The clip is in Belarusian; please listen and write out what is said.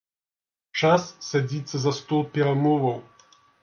Час садзіцца за стол перамоваў.